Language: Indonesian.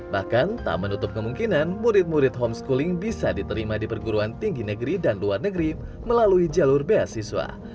bahkan tak menutup kemungkinan murid murid homeschooling bisa diterima di perguruan tinggi negeri dan luar negeri melalui jalur beasiswa